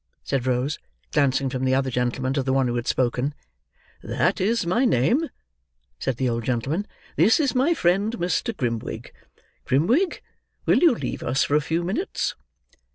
said Rose, glancing from the other gentleman to the one who had spoken. "That is my name," said the old gentleman. "This is my friend, Mr. Grimwig. Grimwig, will you leave us for a few minutes?"